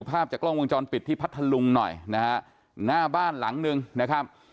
ภาพจากกล้องวงจรปิดที่พัทธลุงหน่อยนะฮะหน้าบ้านหลังนึงนะครับ